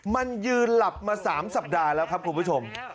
มันยืนหลับมา๓สัปดาห์แล้วครับคุณผู้ชม